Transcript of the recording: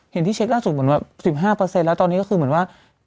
ที่เช็คล่าสุดเหมือนว่า๑๕แล้วตอนนี้ก็คือเหมือนว่า